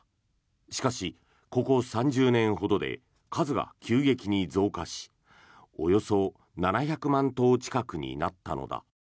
しかし、ここ３０年ほどで数が急激に増加しおよそ７００万頭近くになったのだ。